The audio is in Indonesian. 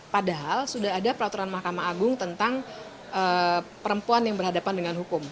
padahal sudah ada peraturan mahkamah agung tentang perempuan yang berhadapan dengan hukum